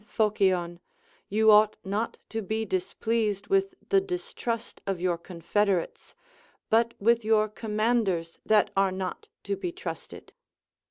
Said Phocion, You ought not to be dis pleased with the distrust of your confederates, but with your commanders that are not to be trusted.